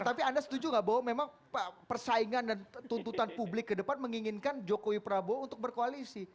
tapi anda setuju nggak bahwa memang persaingan dan tuntutan publik ke depan menginginkan jokowi prabowo untuk berkoalisi